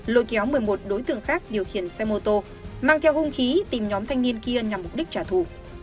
lôi kéo một mươi một đối tượng khác điều khiển xe mô tô mang theo hung khí tìm nhóm thanh niên kia nhằm mục đích trả thù